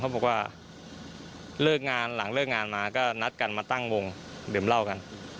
เขาบอกว่าหลังเลิกงานมาก็นัดกันมาตั้งวงเดิมเหล้ากัน